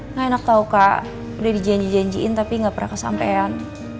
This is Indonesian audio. nggak enak tau kak udah dijanji janjiin tapi gak pernah kesampean